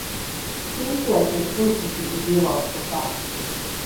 He was Director of the Institute of Geological Science.